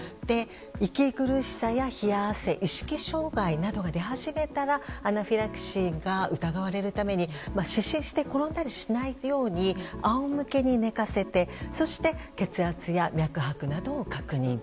息苦しさや冷や汗意識障害などが出始めたらアナフィラキシーが疑われるために失神して転んだりしないように仰向けに寝かせてそして血圧や脈拍を確認。